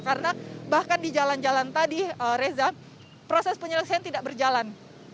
karena bahkan di jalan jalan tadi reza proses penyeleksian tidak berjalan